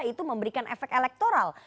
itu memberikan efek elektoral